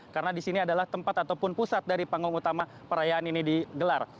karena di sini adalah tempat ataupun pusat dari panggung utama perayaan ini digelar